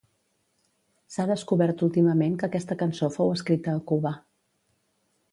S'ha descobert últimament que aquesta cançó fou escrita a Cuba.